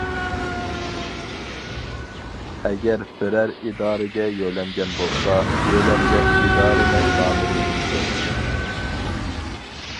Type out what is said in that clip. ئەگەر بىرەر ئىدارىگە يۆلەنگەن بولسا، يۆلەنگەن ئىدارىنىڭ نامىنى يېزىڭ.